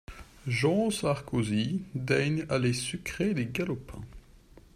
Jean Sarkozy daigne aller sucrer des galopins.